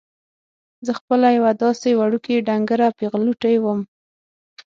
زه خپله یوه داسې وړوکې ډنګره پېغلوټې وم.